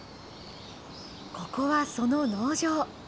ここはその農場。